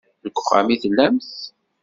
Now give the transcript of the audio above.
Deg uxxam i tellamt?